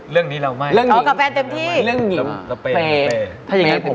คือพกว่างตลอด